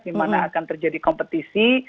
dimana akan terjadi kompetisi